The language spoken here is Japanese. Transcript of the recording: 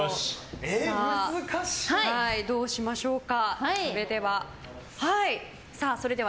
どうしましょうか。